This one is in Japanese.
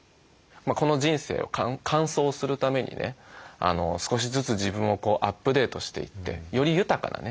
この人生を完走するためにね少しずつ自分をアップデートしていってより豊かなね